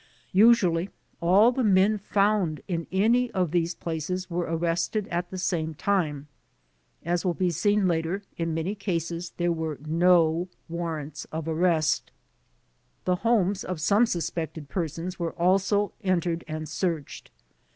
* Usually all the men found in any of these places were arrested at the same time. As will be seen later, in many cases there were no warrants of arrest. The homes of some suspected persons were also en tered and searched.